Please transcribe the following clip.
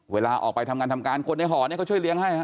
เวลาออกไปทำงานทำการคนในห่อนี้เขาช่วยเลี้ยงให้ฮ